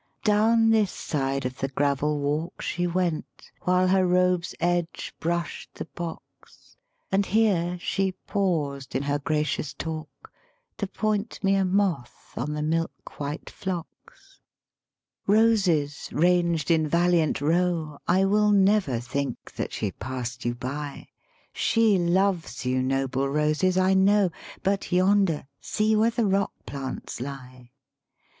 II Down this side of the gravel walk She went while her robe's edge brushed the box: And here she paused in her gracious talk To point me a moth on the milk white phlox. xo 141 THE SPEAKING VOICE Roses, ranged in valiant row, I will never think that she passed you by! She loves you noble roses, I know; But yonder, see, where the rock plants lie!